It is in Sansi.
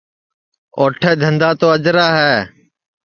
اوٹھے دھندا تو اجرا ہے